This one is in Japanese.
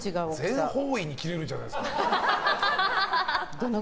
全方位にキレるじゃないですか。